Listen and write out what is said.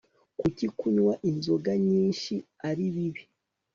Kuki kunywa inzoga nyinshi ari bibi